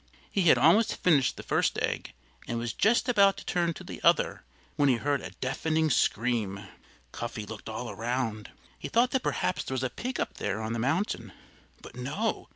He had almost finished the first egg and was just about to turn to the other when he heard a deafening scream. Cuffy looked all around. He thought that perhaps there was a pig up there on the mountain. But no!